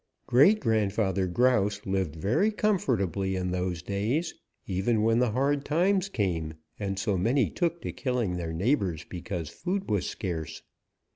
"Great grandfather Grouse lived very comfortably in those days, even when the hard times came and so many took to killing their neighbors because food was scarce.